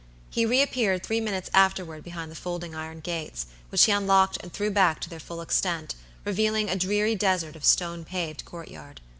He reappeared three minutes afterward behind the folding iron gates, which he unlocked and threw back to their full extent, revealing a dreary desert of stone paved courtyard.